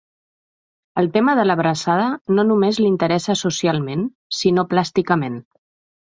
El tema de l'abraçada no només l'interessa socialment sinó plàsticament.